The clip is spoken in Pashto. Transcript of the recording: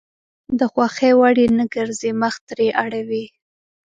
د خوښې وړ يې نه ګرځي مخ ترې اړوي.